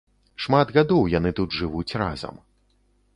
Шмат гадоў яны тут жывуць разам.